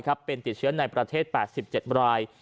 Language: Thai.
เป็นติดเชื้อในประเทศ๘๗ราย